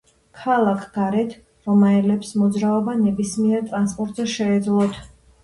ქალაქ გარეთ რომაელებს მოძრაობა ნებისმიერ ტრანსპორტზე შეეძლოთ.